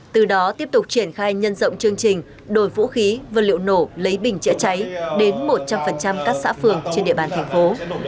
từ đó tiếp tục triển khai nhân rộng chương trình đổi vũ khí vật liệu nổ lấy bình chữa cháy đến một trăm linh các xã phường trên địa bàn thành phố